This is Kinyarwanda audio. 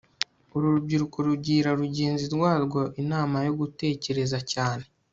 uru rubyiruko rugira rugenzi rwarwo inama yo gutekereza cyane